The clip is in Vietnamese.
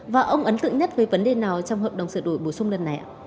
và ông ấn tượng nhất về vấn đề nào trong hợp đồng sửa đổi bùa sửa lần này